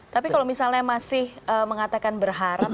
tapi kalau misalnya masih mengatakan berharap